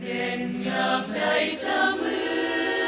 เด็นงามใดเธอเหมือน